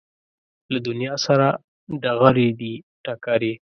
له دنیا سره ډغرې دي ټکرې